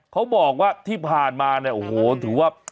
เขาบอกว่าที่ผ่านมาเนี่ยโอ้โหถือว่า